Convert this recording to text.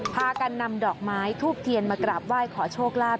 พากันนำดอกไม้ทูบเทียนมากราบไหว้ขอโชคลาภ